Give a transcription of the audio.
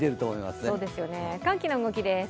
寒気の動きです。